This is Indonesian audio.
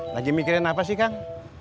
lagi mikirin apa sih kang